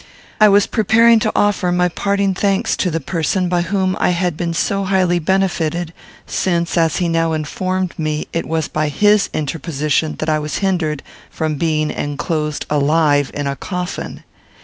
I was preparing to offer my parting thanks to the person by whom I had been so highly benefited; since, as he now informed me, it was by his interposition that I was hindered from being enclosed alive in a coffin.